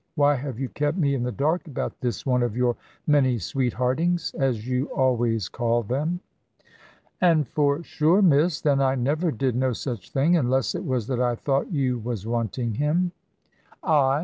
Why have you kept me in the dark about this one of your many 'sweetheartings,' as you always call them?" "And for sure, miss, then I never did no such thing; unless it was that I thought you was wanting him." "I!